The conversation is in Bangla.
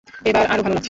এবার আরো ভালো লাগছে।